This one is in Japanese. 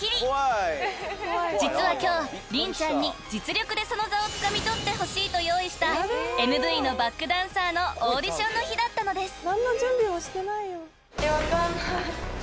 ［実は今日凛ちゃんに実力でその座をつかみ取ってほしいと用意したＭＶのバックダンザーのオーディションの日だったのです］